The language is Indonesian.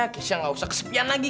kisah gak usah kesepian lagi